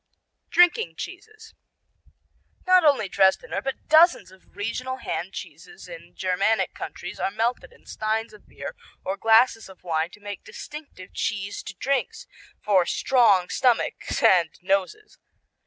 Drinking cheeses Not only Dresdener, but dozens of regional hand cheeses in Germanic countries are melted in steins of beer or glasses of wine to make distinctive cheesed drinks for strong stomachs and noses.